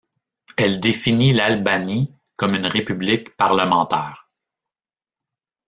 Elle définit l'Albanie comme une république parlementaire.